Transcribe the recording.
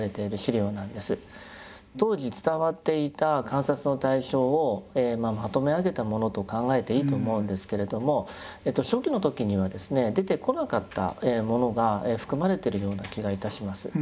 当時伝わっていた観察の対象をまとめ上げたものと考えていいと思うんですけれども初期の時にはですね出てこなかったものが含まれてるような気が致します。